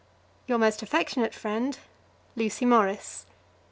Your most affectionate friend, LUCY MORRIS.